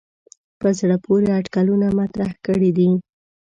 په زړه پورې اټکلونه مطرح کړي دي.